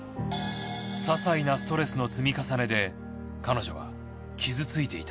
ささいなストレスの積み重ねで彼女は傷ついていた。